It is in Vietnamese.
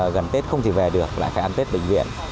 gần tết không thể về được lại phải ăn tết bệnh viện